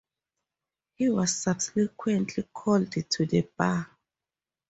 He was subsequently called to the bar.